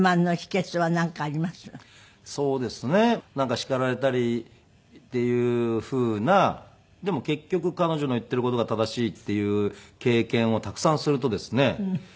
叱られたりっていうふうなでも結局彼女の言っている事が正しいっていう経験をたくさんするとですね